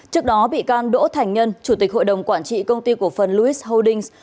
trước đó bị can đỗ thành nhân chủ tịch hội đồng quản trị công ty cổ phần louis holdings